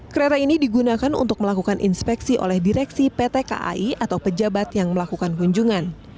kereta ini digunakan untuk melakukan inspeksi oleh direksi pt kai atau pejabat yang melakukan kunjungan